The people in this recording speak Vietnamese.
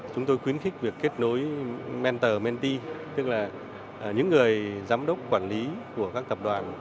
chúng tôi khuyến khích việc kết nối mentor menti tức là những người giám đốc quản lý của các tập đoàn